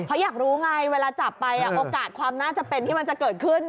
เพราะอยากรู้ไงเวลาจับไปโอกาสความน่าจะเป็นที่มันจะเกิดขึ้น